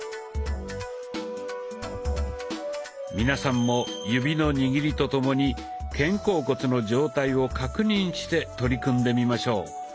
皆さんも指の握りとともに肩甲骨の状態を確認して取り組んでみましょう。